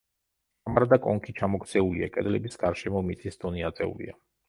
კამარა და კონქი ჩამოქცეულია, კედლების გარშემო მიწის დონე აწეულია.